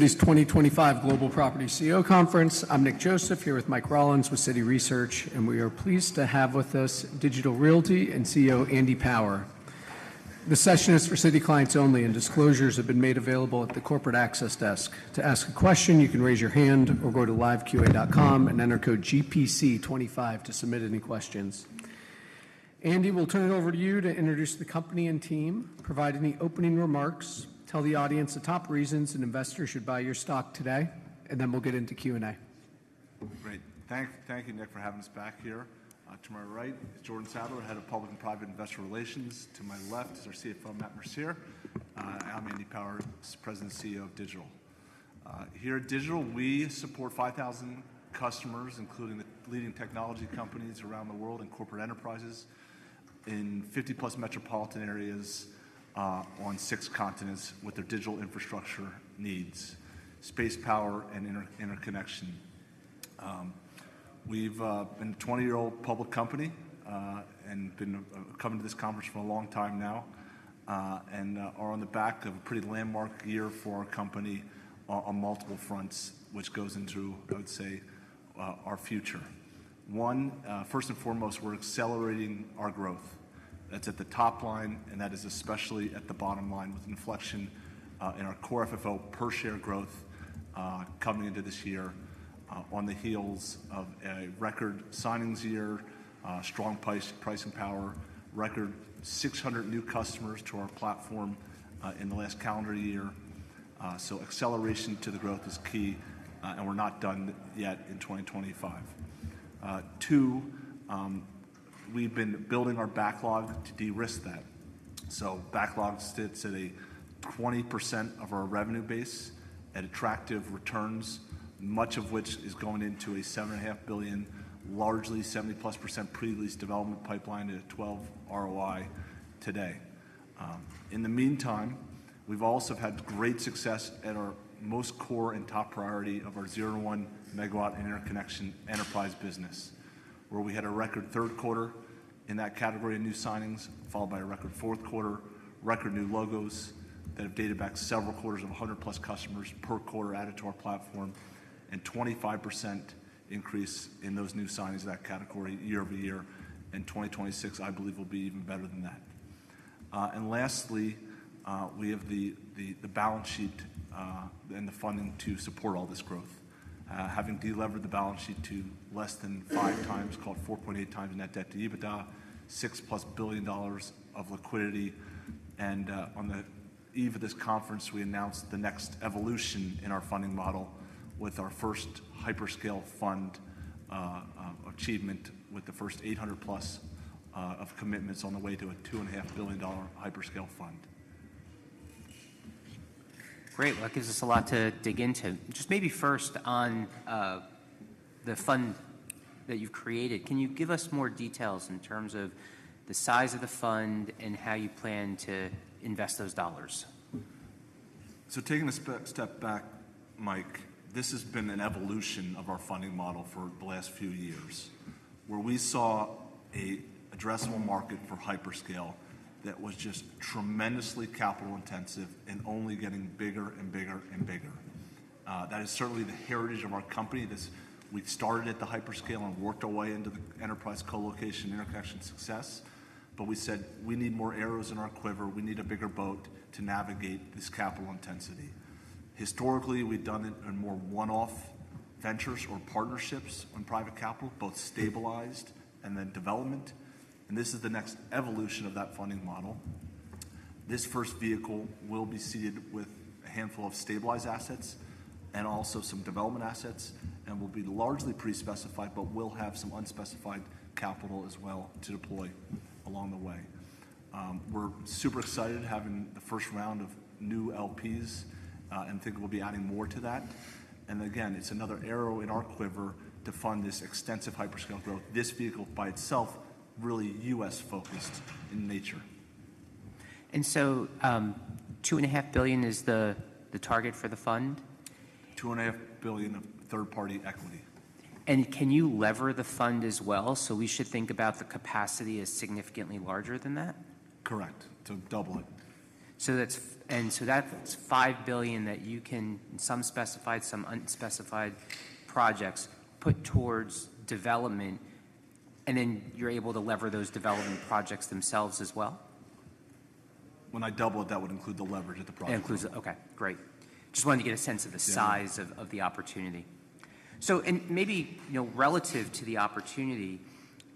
This 2025 Global Property CEO Conference. I'm Nick Joseph here with Mike Rollins with Citi Research, and we are pleased to have with us Digital Realty and CEO Andy Power. The session is for Citi clients only, and disclosures have been made available at the Corporate Access Desk. To ask a question, you can raise your hand or go to LiveQA.com and enter code GPC25 to submit any questions. Andy, we'll turn it over to you to introduce the company and team, provide any opening remarks, tell the audience the top reasons an investor should buy your stock today, and then we'll get into Q&A. Great. Thank you, Nick, for having us back here. To my right is Jordan Sadler, Head of Public and Private Investor Relations. To my left is our CFO, Matt Mercier, and I'm Andy Power, President and CEO of Digital. Here at Digital, we support 5,000 customers, including the leading technology companies around the world and corporate enterprises in 50-plus metropolitan areas on six continents with their digital infrastructure needs, space power, and interconnection. We've been a 20-year-old public company and been coming to this conference for a long time now, and are on the back of a pretty landmark year for our company on multiple fronts, which goes into, I would say, our future. One, First and foremost, we're accelerating our growth. That's at the top line, and that is especially at the bottom line with inflection in our Core FFO per share growth coming into this year on the heels of a record signings year, strong pricing power, record 600 new customers to our platform in the last calendar year. So acceleration to the growth is key, and we're not done yet in 2025. Two, we've been building our backlog to de-risk that. So backlog sits at 20% of our revenue base at attractive returns, much of which is going into a $7.5 billion, largely 70+% pre-leased development pipeline at 12% ROI today. In the meantime, we've also had great success at our most core and top priority of our 0-1 MW interconnection enterprise business, where we had a record third quarter in that category of new signings, followed by a record fourth quarter, record new logos that have dated back several quarters of 100-plus customers per quarter added to our platform, and 25% increase in those new signings of that category year-over-year. And 2026, I believe, will be even better than that. And lastly, we have the balance sheet and the funding to support all this growth. Having deleveraged the balance sheet to less than five times, called 4.8x net debt to EBITDA, $6+ billion of liquidity. And on the eve of this conference, we announced the next evolution in our funding model with our first hyperscale fund achievement, with the first 800+ of commitments on the way to a $2.5 billion hyperscale fund. Great. That gives us a lot to dig into. Just maybe first on the fund that you've created, can you give us more details in terms of the size of the fund and how you plan to invest those dollars? So taking a step back, Mike, this has been an evolution of our funding model for the last few years, where we saw an addressable market for hyperscale that was just tremendously capital intensive and only getting bigger and bigger and bigger. That is certainly the heritage of our company. We started at the hyperscale and worked our way into the enterprise colocation interconnection services, but we said we need more arrows in our quiver. We need a bigger boat to navigate this capital intensity. Historically, we've done it in more one-off ventures or partnerships on private capital, both stabilized and then development. And this is the next evolution of that funding model. This first vehicle will be seeded with a handful of stabilized assets and also some development assets and will be largely pre-specified, but will have some unspecified capital as well to deploy along the way. We're super excited having the first round of new LPs and think we'll be adding more to that. And again, it's another arrow in our quiver to fund this extensive hyperscale growth. This vehicle by itself, really U.S. focused in nature. And so $2.5 billion is the target for the fund? $2.5 billion of third-party equity. Can you leverage the fund as well? We should think about the capacity as significantly larger than that? Correct. To double it. And so that's $5 billion that you can, some specified, some unspecified projects, put towards development, and then you're able to lever those development projects themselves as well? When I double it, that would include the leverage at the project. It includes it. Okay. Great. Just wanted to get a sense of the size of the opportunity. So maybe relative to the opportunity,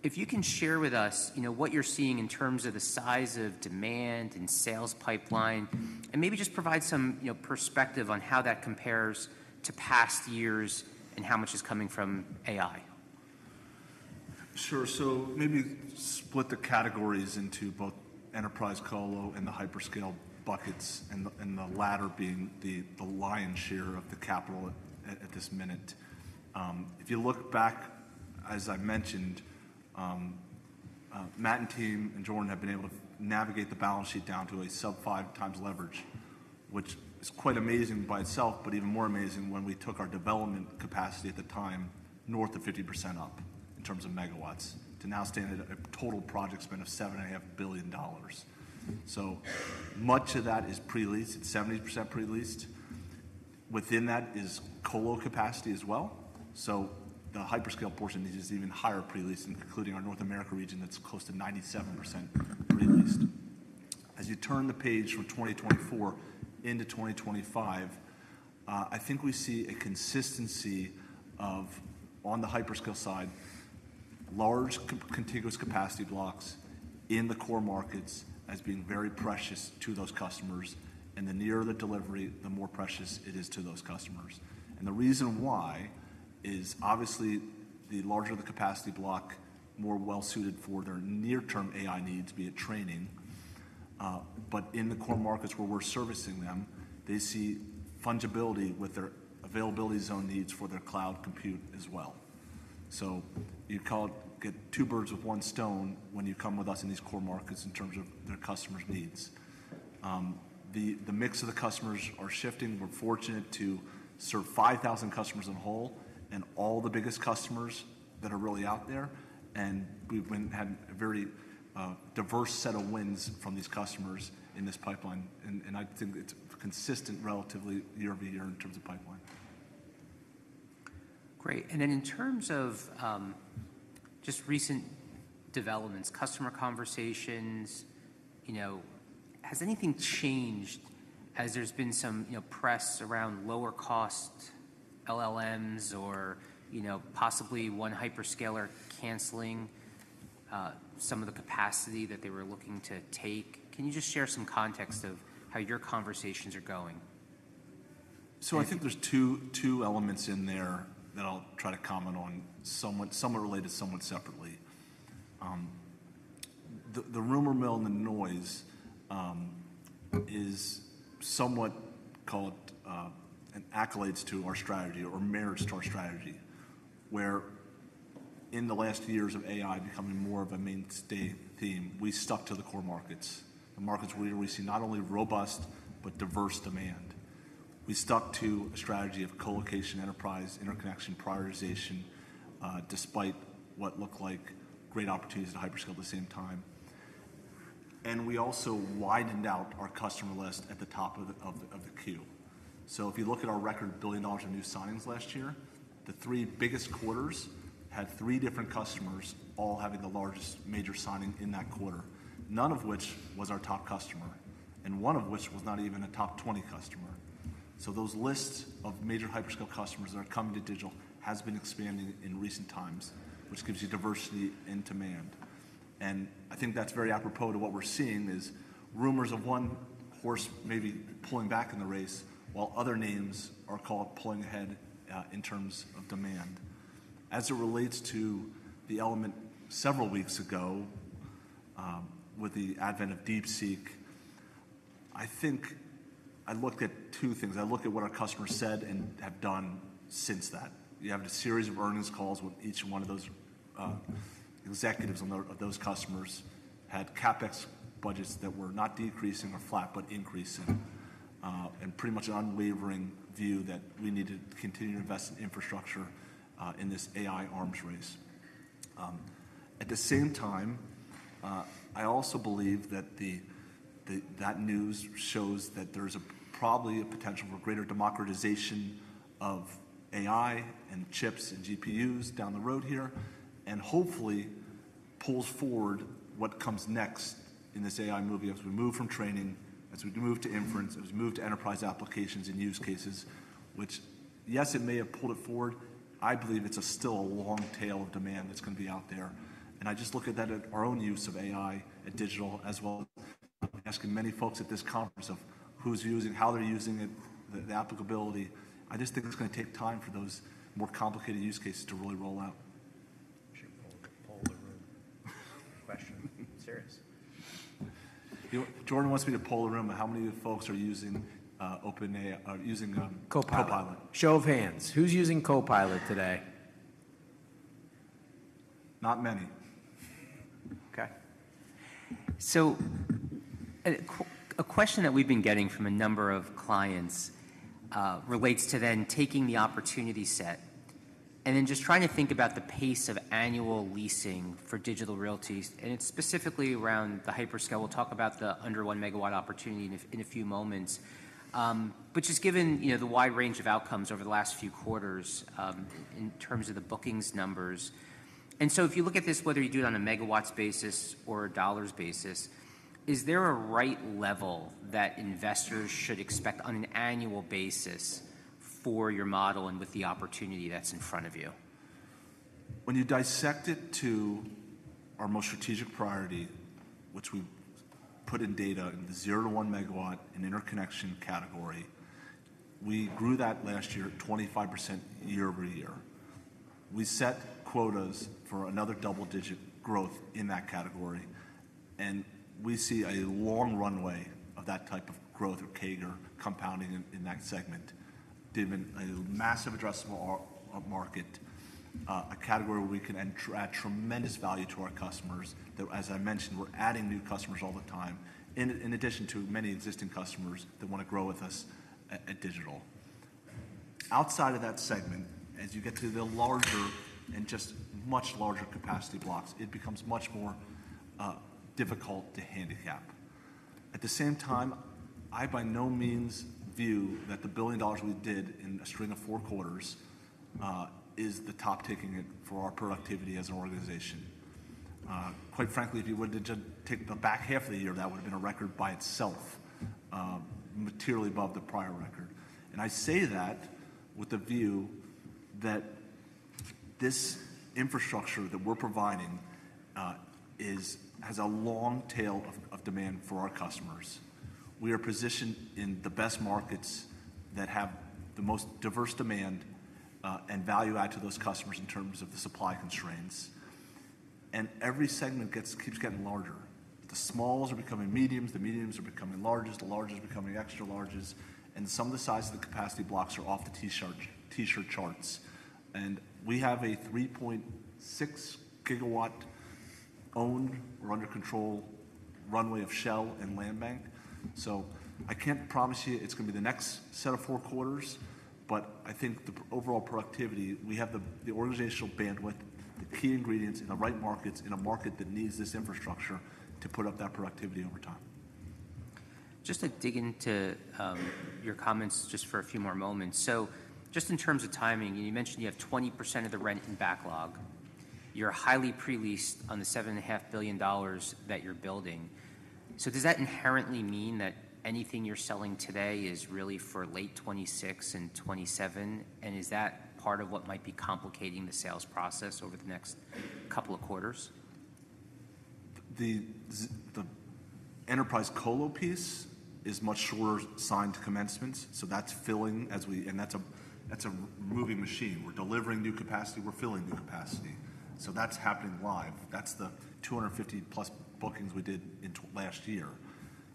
if you can share with us what you're seeing in terms of the size of demand and sales pipeline, and maybe just provide some perspective on how that compares to past years and how much is coming from AI. Sure. So maybe split the categories into both enterprise colo and the hyperscale buckets, and the latter being the lion's share of the capital at this minute. If you look back, as I mentioned, Matt and team and Jordan have been able to navigate the balance sheet down to a sub 5x leverage, which is quite amazing by itself, but even more amazing when we took our development capacity at the time north of 50% up in terms of MWs to now stand at a total project spend of $7.5 billion. So much of that is pre-leased. It's 70% pre-leased. Within that is colo capacity as well. So the hyperscale portion is even higher pre-leased, including our North America region that's close to 97% pre-leased. As you turn the page from 2024 into 2025, I think we see a consistency of, on the hyperscale side, large contiguous capacity blocks in the core markets as being very precious to those customers. And the nearer the delivery, the more precious it is to those customers. And the reason why is obviously the larger the capacity block, more well-suited for their near-term AI needs, be it training. But in the core markets where we're servicing them, they see fungibility with their availability zone needs for their cloud compute as well. So you call it get two birds with one stone when you come with us in these core markets in terms of their customers' needs. The mix of the customers are shifting. We're fortunate to serve 5,000 customers in a whole and all the biggest customers that are really out there. And we've had a very diverse set of wins from these customers in this pipeline. And I think it's consistent relatively year-over-year in terms of pipeline. Great. And then in terms of just recent developments, customer conversations, has anything changed as there's been some press around lower-cost LLMs or possibly one hyperscaler canceling some of the capacity that they were looking to take? Can you just share some context of how your conversations are going? So I think there's two elements in there that I'll try to comment on, somewhat related, somewhat separately. The rumor mill and the noise is somewhat of an accolade to our strategy or merits to our strategy, where in the last years of AI becoming more of a mainstay theme, we stuck to the core markets, the markets where we see not only robust, but diverse demand. We stuck to a strategy of colocation, enterprise interconnection, prioritization, despite what looked like great opportunities at hyperscale at the same time. And we also widened out our customer list at the top of the queue. If you look at our record $1 billion of new signings last year, the three biggest quarters had three different customers all having the largest major signing in that quarter, none of which was our top customer, and one of which was not even a top 20 customer. Those lists of major hyperscale customers that are coming to Digital have been expanding in recent times, which gives you diversity in demand. I think that's very apropos to what we're seeing is rumors of one horse maybe pulling back in the race while other names are called pulling ahead in terms of demand. As it relates to the element several weeks ago with the advent of DeepSeek, I think I looked at two things. I looked at what our customers said and have done since that. You have a series of earnings calls with each and one of those executives of those customers had CapEx budgets that were not decreasing or flat, but increasing, and pretty much an unwavering view that we need to continue to invest in infrastructure in this AI arms race. At the same time, I also believe that that news shows that there's probably a potential for greater democratization of AI and chips and GPUs down the road here and hopefully pulls forward what comes next in this AI movie as we move from training, as we move to inference, as we move to enterprise applications and use cases, which yes, it may have pulled it forward. I believe it's still a long tail of demand that's going to be out there. I just look at that at our own use of AI at Digital as well as asking many folks at this conference of who's using, how they're using it, the applicability. I just think it's going to take time for those more complicated use cases to really roll out. Poll the room. Question. Serious. Jordan wants me to poll the room how many folks are using Copilot. Show of hands. Who's using Copilot today? Not many. Okay. So a question that we've been getting from a number of clients relates to then taking the opportunity set and then just trying to think about the pace of annual leasing for Digital Realty. And it's specifically around the hyperscale. We'll talk about the under 1 MW opportunity in a few moments. But just given the wide range of outcomes over the last few quarters in terms of the bookings numbers, and so if you look at this, whether you do it on a MWs basis or a dollars basis, is there a right level that investors should expect on an annual basis for your model and with the opportunity that's in front of you? When you dissect it to our most strategic priority, which we put in data in the O-1 MW and interconnection category, we grew that last year 25% year-over-year. We set quotas for another double-digit growth in that category, and we see a long runway of that type of growth or CAGR compounding in that segment given a massive addressable market, a category where we can add tremendous value to our customers that, as I mentioned, we're adding new customers all the time in addition to many existing customers that want to grow with us at Digital. Outside of that segment, as you get to the larger and just much larger capacity blocks, it becomes much more difficult to handicap. At the same time, I by no means view that the $1 billion we did in a string of four quarters is the top ticket for our productivity as an organization. Quite frankly, if you would have just taken the back half of the year, that would have been a record by itself, materially above the prior record. And I say that with the view that this infrastructure that we're providing has a long tail of demand for our customers. We are positioned in the best markets that have the most diverse demand and value add to those customers in terms of the supply constraints. And every segment keeps getting larger. The small ones are becoming mediums. The mediums are becoming largest. The largest are becoming extra larges. And some of the size of the capacity blocks are off the T-shirt charts. We have a 3.6 GW owned or under control runway of shell and land bank. So I can't promise you it's going to be the next set of four quarters, but I think the overall productivity. We have the organizational bandwidth, the key ingredients in the right markets in a market that needs this infrastructure to put up that productivity over time. Just to dig into your comments just for a few more moments. So just in terms of timing, you mentioned you have 20% of the rent in backlog. You're highly pre-leased on the $7.5 billion that you're building. So does that inherently mean that anything you're selling today is really for late 2026 and 2027? And is that part of what might be complicating the sales process over the next couple of quarters? The enterprise colo piece is much shorter cycle to commencements. So that's filling as we go, and that's a moving machine. We're delivering new capacity. We're filling new capacity. So that's happening live. That's the 250+ bookings we did last year.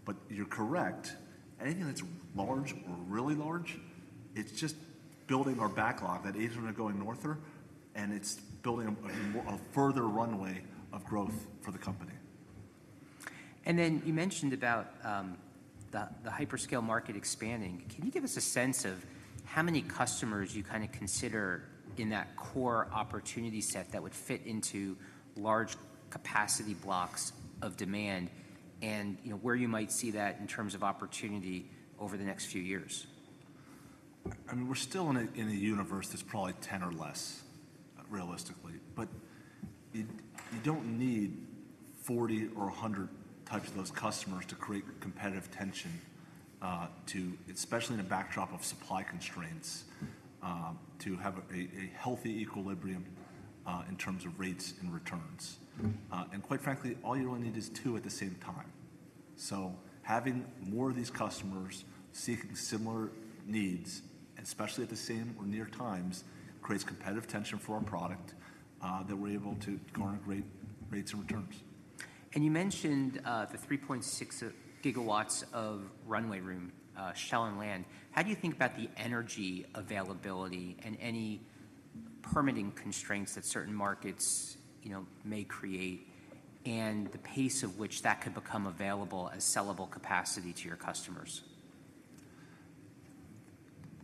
But you're correct. Anything that's large or really large, it's just building our backlog that isn't going northern, and it's building a further runway of growth for the company. And then you mentioned about the hyperscale market expanding. Can you give us a sense of how many customers you kind of consider in that core opportunity set that would fit into large capacity blocks of demand and where you might see that in terms of opportunity over the next few years? I mean, we're still in a universe that's probably 10 or less rea, listically. But you don't need 40 or 100 types of those customers to create competitive tension, especially in a backdrop of supply constraints, to have a healthy equilibrium in terms of rates and returns. And quite frankly, all you really need is two at the same time. So having more of these customers seeking similar needs, especially at the same or near times, creates competitive tension for our product that we're able to garner great rates and returns. You mentioned the 3.6 GWs of runway room, shell and land. How do you think about the energy availability and any permitting constraints that certain markets may create, and the pace of which that could become available as sellable capacity to your customers?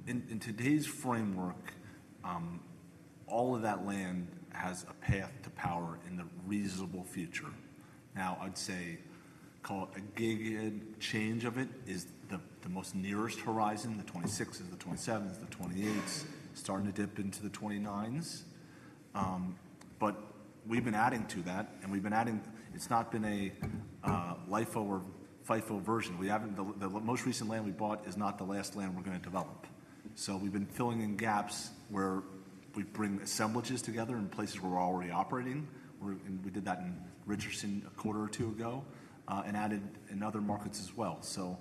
In today's framework, all of that land has a path to power in the reasonable future. Now, I'd say a gig of it is the most nearest horizon, the 2026, the 2027, the 2028, starting to dip into the 2029s. But we've been adding to that, and we've been adding. It's not been a LIFO or FIFO version. The most recent land we bought is not the last land we're going to develop. So we've been filling in gaps where we bring assemblages together in places where we're already operating. We did that in Richardson a quarter or two ago and added in other markets as well. So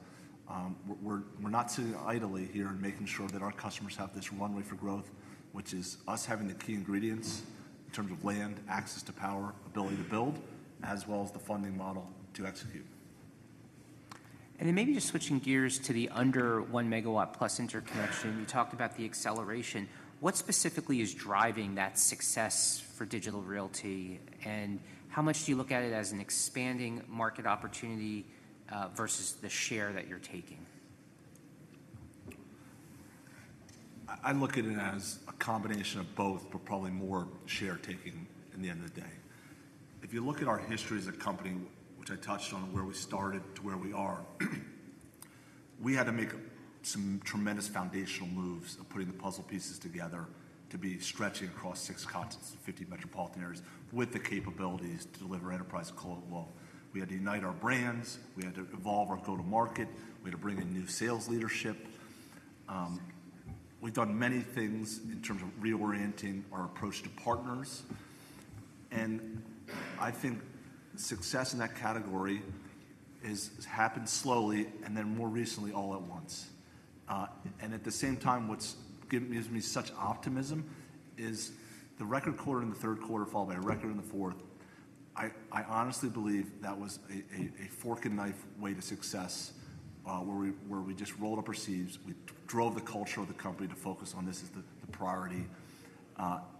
we're not sitting idly here and making sure that our customers have this runway for growth, which is us having the key ingredients in terms of land, access to power, ability to build, as well as the funding model to execute. And then maybe just switching gears to the under one MW-plus interconnection, you talked about the acceleration. What specifically is driving that success for Digital Realty? And how much do you look at it as an expanding market opportunity versus the share that you're taking? I look at it as a combination of both, but probably more share-taking at the end of the day. If you look at our history as a company, which I touched on where we started to where we are, we had to make some tremendous foundational moves of putting the puzzle pieces together to be stretching across six continents, 50 metropolitan areas with the capabilities to deliver enterprise colo. We had to unite our brands. We had to evolve our go-to-market. We had to bring in new sales leadership. We've done many things in terms of reorienting our approach to partners. And I think success in that category has happened slowly, and then more recently all at once. And at the same time, what gives me such optimism is the record quarter in the third quarter followed by a record in the fourth. I honestly believe that was a fork and knife way to success where we just rolled up our sleeves. We drove the culture of the company to focus on this as the priority,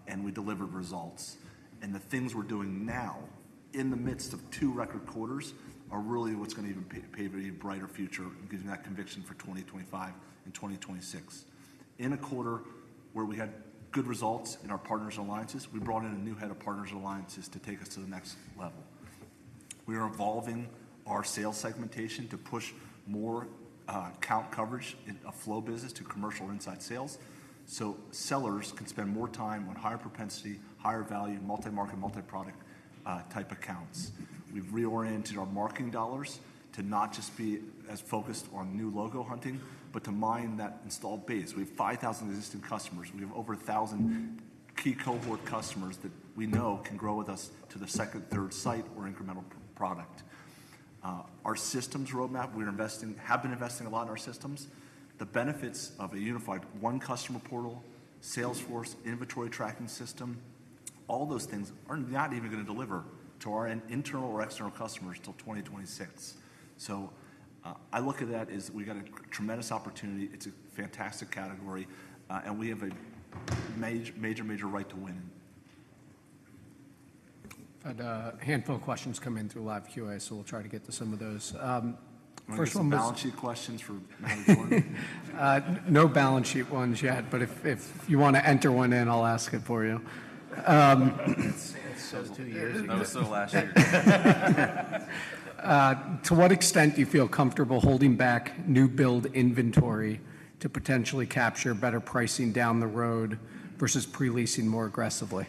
and we delivered results, and the things we're doing now in the midst of two record quarters are really what's going to even pave a brighter future and give you that conviction for 2025 and 2026. In a quarter where we had good results in our partners and alliances, we brought in a new head of partners and alliances to take us to the next level. We are evolving our sales segmentation to push more account coverage in a flow business to commercial inside sales so sellers can spend more time on higher propensity, higher value, multi-market, multi-product type accounts. We've reoriented our marketing dollars to not just be as focused on new logo hunting, but to mine that installed base. We have 5,000 existing customers. We have over 1,000 key cohort customers that we know can grow with us to the second, third site, or incremental product. Our systems roadmap, we have been investing a lot in our systems. The benefits of a unified one-customer portal, Salesforce inventory tracking system, all those things are not even going to deliver to our internal or external customers until 2026. So I look at that as we got a tremendous opportunity. It's a fantastic category, and we have a major, major right to win in. I had a handful of questions come in through live QA, so we'll try to get to some of those. No balance sheet questions for Matt and Jordan? No balance sheet ones yet, but if you want to enter one in, I'll ask it for you. Those two years. To what extent do you feel comfortable holding back new build inventory to potentially capture better pricing down the road versus pre-leasing more aggressively?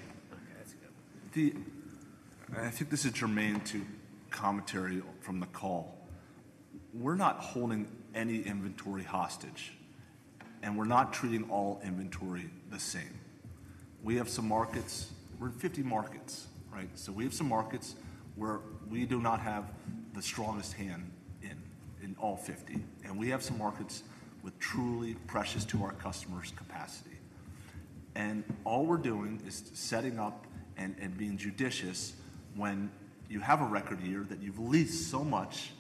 I think this is germane to commentary from the call. We're not holding any inventory hostage, and we're not treating all inventory the same. We have some markets; we're in 50 markets, right? So we have some markets where we do not have the strongest hand in all 50, and we have some markets with truly precious to our customers' capacity, and all we're doing is setting up and being judicious when you have a record year that you've leased so much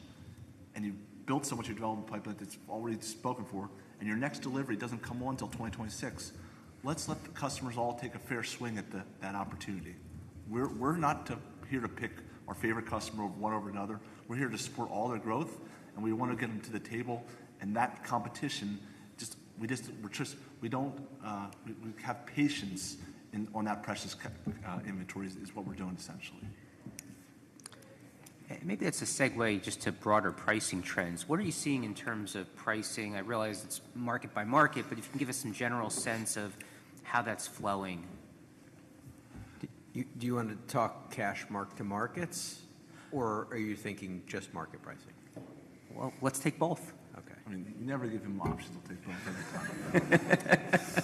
and you've built so much development pipeline that's already spoken for, and your next delivery doesn't come on until 2026. Let's let the customers all take a fair swing at that opportunity. We're not here to pick our favorite customer one over another. We're here to support all their growth, and we want to get them to the table. That competition, we don't have patience on that precious inventory is what we're doing essentially. Maybe that's a segue just to broader pricing trends. What are you seeing in terms of pricing? I realize it's market by market, but if you can give us some general sense of how that's flowing. Do you want to talk cash, mark-to-markets, or are you thinking just market pricing? Let's take both. I mean, you never give them options to take both at the time.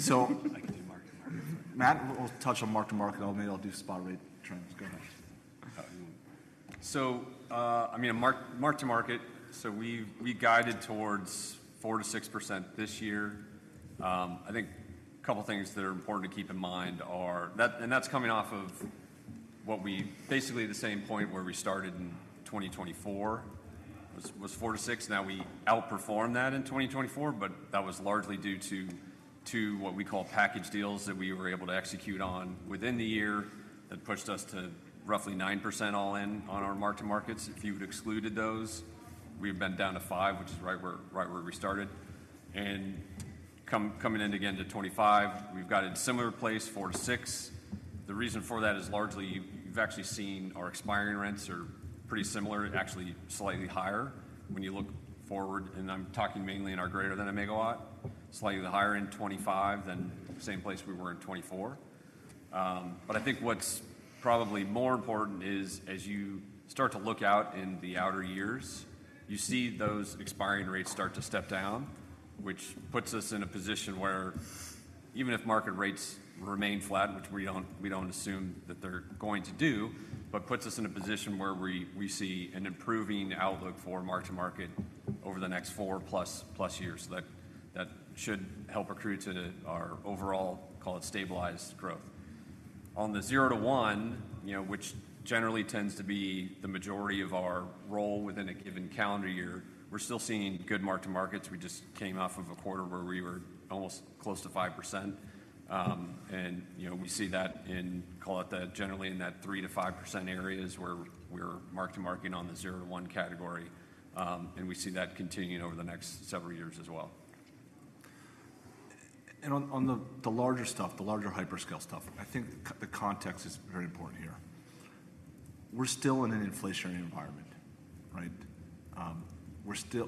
So I can do mark to market. Matt will touch on mark-to-market. Maybe I'll do spot rate trends. Go ahead. So I mean, a mark to market, so we guided towards 4%-6% this year. I think a couple of things that are important to keep in mind are, and that's coming off of what we basically the same point where we started in 2024 was 4%-6%. Now we outperformed that in 2024, but that was largely due to two what we call package deals that we were able to execute on within the year that pushed us to roughly 9% all in on our mark to markets. If you'd excluded those, we had been down to 5%, which is right where we started. And coming in again to 2025, we've got a similar place 4%-6%. The reason for that is largely you've actually seen our expiring rents are pretty similar, actually slightly higher when you look forward. I'm talking mainly in our greater than a megawatt, slightly higher in 2025 than the same place we were in 2024. But I think what's probably more important is as you start to look out in the outer years, you see those expiring rates start to step down, which puts us in a position where even if market rates remain flat, which we don't assume that they're going to do, but puts us in a position where we see an improving outlook for mark-to-market over the next four plus years. That should help accrue to our overall, call it, stabilized growth. On the zero-one, which generally tends to be the majority of our roll within a given calendar year, we're still seeing good mark to markets. We just came off of a quarter where we were almost close to 5%. We see that in, call it that generally in that 3%-5% areas where we're mark to market on the zero-one category. We see that continuing over the next several years as well. On the larger stuff, the larger hyperscale stuff, I think the context is very important here. We're still in an inflationary environment, right?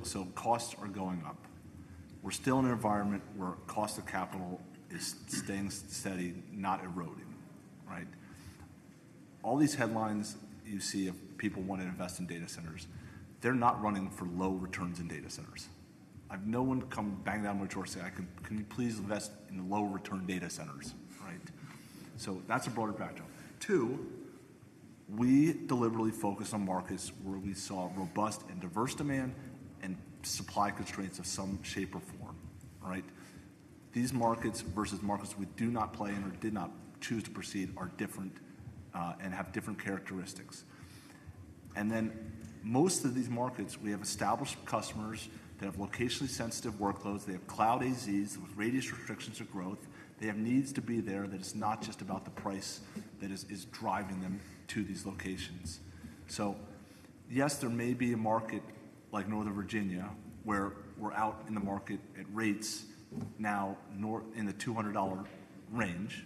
So costs are going up. We're still in an environment where cost of capital is staying steady, not eroding, right? All these headlines you see of people wanting to invest in data centers, they're not running for low returns in data centers. I have no one come bang down my door saying, "Can you please invest in low-return data centers?" Right? So that's a broader backdrop. Two, we deliberately focus on markets where we saw robust and diverse demand and supply constraints of some shape or form, right? These markets versus markets we do not play in or did not choose to proceed are different and have different characteristics. And then most of these markets, we have established customers that have locationally sensitive workloads. They have cloud AZs with radius restrictions of growth. They have needs to be there that it's not just about the price that is driving them to these locations. So yes, there may be a market like Northern Virginia where we're out in the market at rates now in the $200 range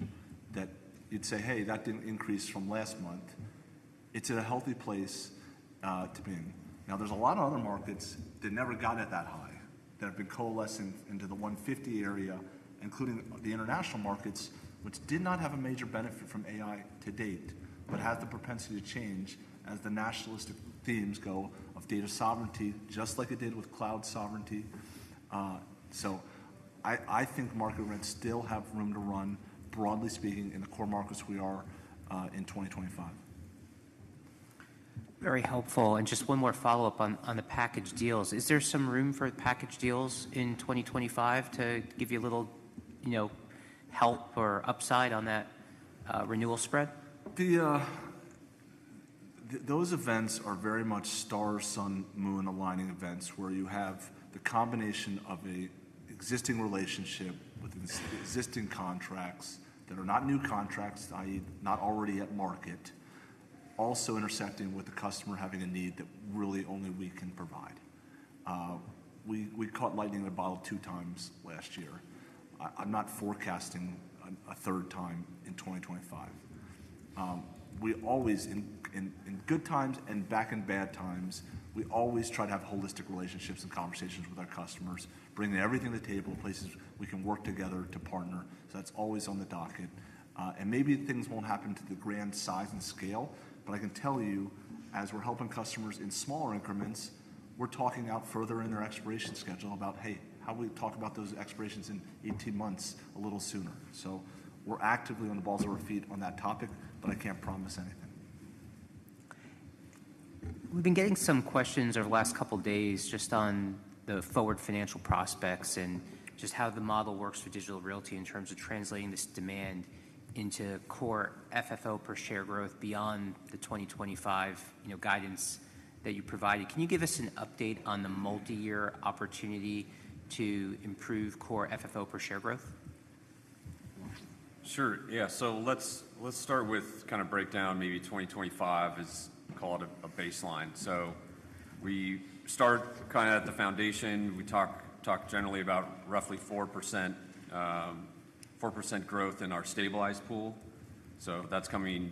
that you'd say, "Hey, that didn't increase from last month." It's at a healthy place to be in. Now, there's a lot of other markets that never got at that high that have been coalescing into the $150 area, including the international markets, which did not have a major benefit from AI to date, but has the propensity to change as the nationalistic themes go of data sovereignty, just like it did with cloud sovereignty. So I think market rents still have room to run, broadly speaking, in the core markets we are in 2025. Very helpful. And just one more follow-up on the package deals. Is there some room for package deals in 2025 to give you a little help or upside on that renewal spread? Those events are very much star, sun, moon aligning events where you have the combination of an existing relationship with existing contracts that are not new contracts, i.e., not already at market, also intersecting with the customer having a need that really only we can provide. We caught lightning in a bottle two times last year. I'm not forecasting a third time in 2025. We always, in good times and back in bad times, we always try to have holistic relationships and conversations with our customers, bringing everything to the table, places we can work together to partner. So that's always on the docket. And maybe things won't happen to the grand size and scale, but I can tell you, as we're helping customers in smaller increments, we're talking out further in their expiration schedule about, "Hey, how do we talk about those expirations in 18 months a little sooner?" So we're actively on the balls of our feet on that topic, but I can't promise anything. We've been getting some questions over the last couple of days just on the forward financial prospects and just how the model works for Digital Realty in terms of translating this demand into Core FFO per share growth beyond the 2025 guidance that you provided. Can you give us an update on the multi-year opportunity to improve Core FFO per share growth? Sure. Yeah, so let's start with kind of breakdown maybe 2025 as, call it, a baseline. So we start kind of at the foundation. We talk generally about roughly 4% growth in our stabilized pool. So that's coming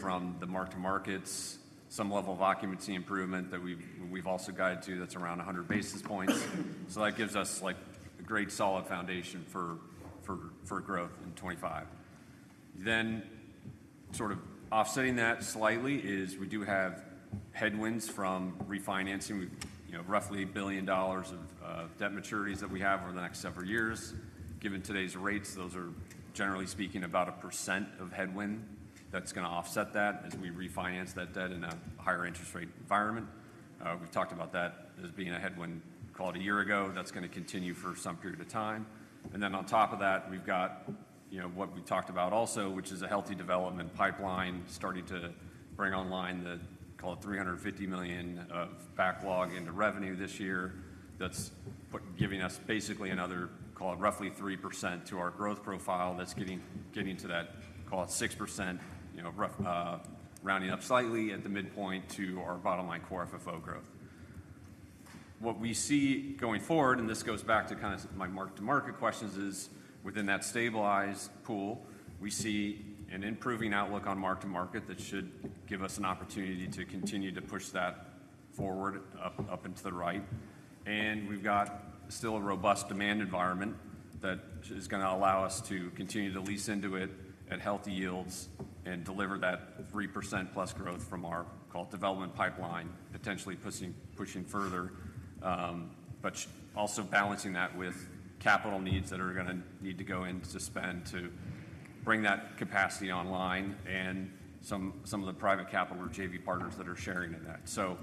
from the mark to markets, some level of occupancy improvement that we've also guided to that's around 100 basis points. So that gives us a great solid foundation for growth in 25. Then, sort of offsetting that slightly, is we do have headwinds from refinancing. Roughly $1 billion of debt maturities that we have over the next several years. Given today's rates, those are generally speaking about 1% headwind that's going to offset that as we refinance that debt in a higher interest rate environment. We've talked about that as being a headwind, call it a year ago. That's going to continue for some period of time. And then, on top of that, we've got what we talked about also, which is a healthy development pipeline starting to bring online the call it $350 million of backlog into revenue this year. That's giving us basically another call it roughly 3% to our growth profile that's getting to that call it 6% rounding up slightly at the midpoint to our bottom line Core FFO growth. What we see going forward, and this goes back to kind of my mark to market questions, is within that stabilized pool, we see an improving outlook on mark-to-market that should give us an opportunity to continue to push that forward up into the right. And we've got still a robust demand environment that is going to allow us to continue to lease into it at healthy yields and deliver that 3%+ growth from our, call it, development pipeline, potentially pushing further, but also balancing that with capital needs that are going to need to go in to spend to bring that capacity online and some of the private capital or JV partners that are sharing in that. So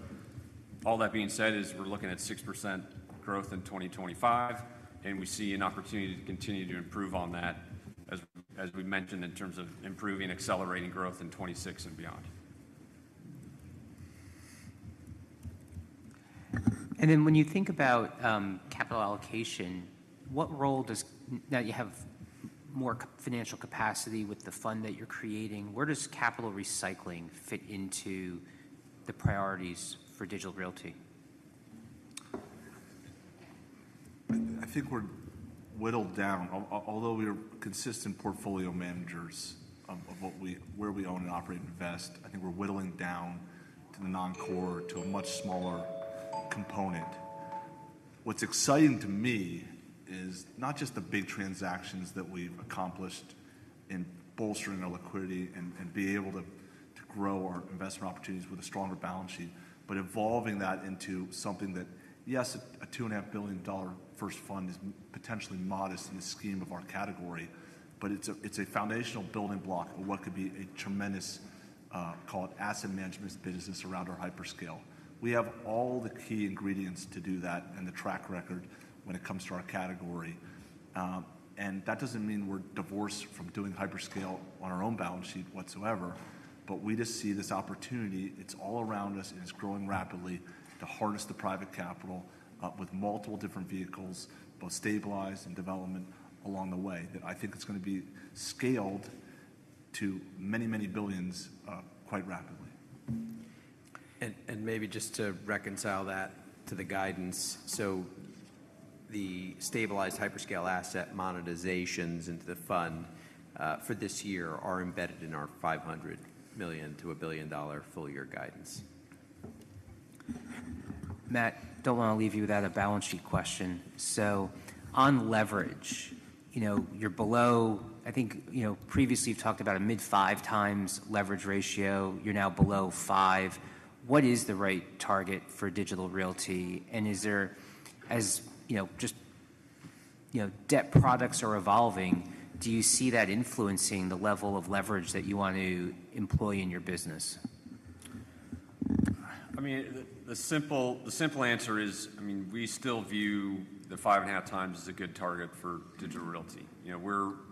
all that being said is we're looking at 6% growth in 2025, and we see an opportunity to continue to improve on that as we mentioned in terms of improving, accelerating growth in 2026 and beyond. And then when you think about capital allocation, what role does now you have more financial capacity with the fund that you're creating? Where does capital recycling fit into the priorities for Digital Realty? I think we're whittled down. Although we are consistent portfolio managers of where we own and operate and invest, I think we're whittling down to the non-core to a much smaller component. What's exciting to me is not just the big transactions that we've accomplished in bolstering our liquidity and being able to grow our investment opportunities with a stronger balance sheet, but evolving that into something that, yes, a $2.5 billion first fund is potentially modest in the scheme of our category, but it's a foundational building block of what could be a tremendous call it asset management business around our hyperscale. We have all the key ingredients to do that and the track record when it comes to our category. And that doesn't mean we're divorced from doing hyperscale on our own balance sheet whatsoever, but we just see this opportunity. It's all around us, and it's growing rapidly to harness the private capital with multiple different vehicles, both stabilized and development along the way that I think it's going to be scaled to many, many billions quite rapidly. Maybe just to reconcile that to the guidance, so the stabilized hyperscale asset monetizations into the fund for this year are embedded in our $500 million-$1 billion full-year guidance. Matt, don't want to leave you without a balance sheet question. On leverage, you're below, I think previously you've talked about a mid five times leverage ratio. You're now below five. What is the right target for Digital Realty? As just debt products are evolving, do you see that influencing the level of leverage that you want to employ in your business? I mean, the simple answer is, I mean, we still view the five and a half times as a good target for Digital Realty.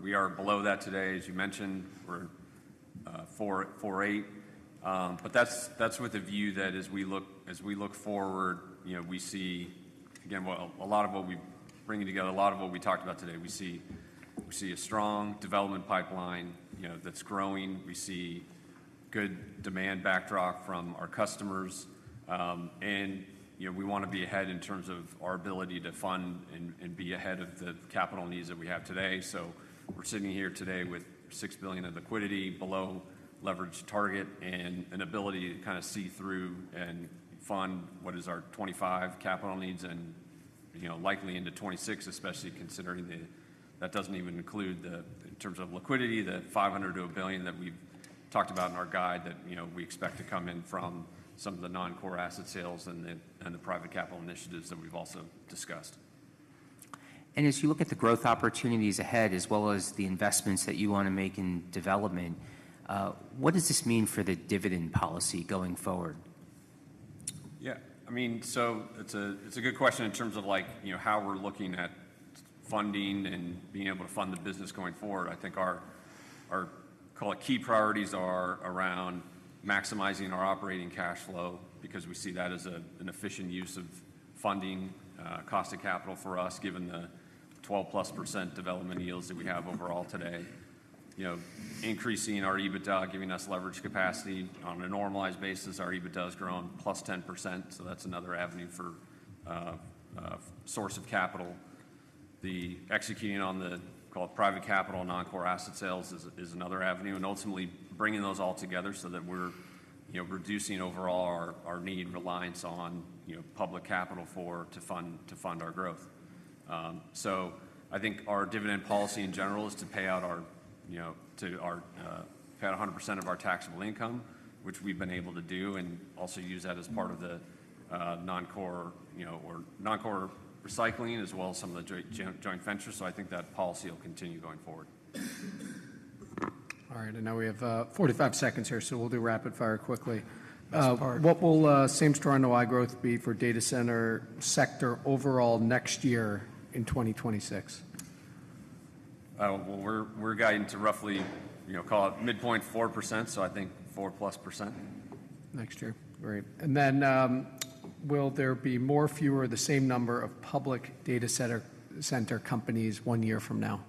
We are below that today, as you mentioned, we're 4.8. But that's with a view that as we look forward, we see, again, a lot of what we're bringing together, a lot of what we talked about today, we see a strong development pipeline that's growing. We see good demand backdrop from our customers. And we want to be ahead in terms of our ability to fund and be ahead of the capital needs that we have today. We're sitting here today with $6 billion of liquidity below leverage target and an ability to kind of see through and fund what is our 2025 capital needs and likely into 2026, especially considering that doesn't even include in terms of liquidity, the $500 million-$1 billion that we've talked about in our guide that we expect to come in from some of the non-core asset sales and the private capital initiatives that we've also discussed. As you look at the growth opportunities ahead, as well as the investments that you want to make in development, what does this mean for the dividend policy going forward? Yeah. I mean, so it's a good question in terms of how we're looking at funding and being able to fund the business going forward. I think our call it key priorities are around maximizing our operating cash flow because we see that as an efficient use of funding, cost of capital for us, given the 12%+ development yields that we have overall today. Increasing our EBITDA, giving us leverage capacity on a normalized basis, our EBITDA has grown +10%. So that's another avenue for source of capital. The executing on the call it private capital, non-core asset sales is another avenue. And ultimately, bringing those all together so that we're reducing overall our need reliance on public capital to fund our growth. So I think our dividend policy in general is to pay out 100% of our taxable income, which we've been able to do and also use that as part of the non-core recycling as well as some of the joint ventures. So I think that policy will continue going forward. All right. And now we have 45 seconds here, so we'll do rapid fire quickly. What will Same-Store NOI Growth be for data center sector overall next year in 2026? We're guiding to roughly call it midpoint 4%. So I think 4+%. Next year. Great. And then will there be more fewer the same number of public data center companies one year from now?